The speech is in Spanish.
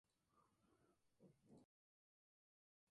La Copa la obtuvo el equipo de la capital tucumana.